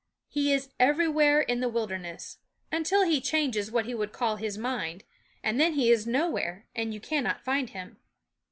He is everywhere in the wilderness, until he changes what he would call his mind ; and then he is nowhere, and you cannot find him.